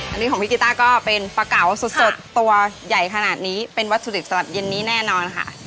อันนี้ของพี่กีต้าก็เป็นปลาเก๋าสดตัวใหญ่ขนาดนี้เป็นวัตถุดิบสำหรับเย็นนี้แน่นอนค่ะ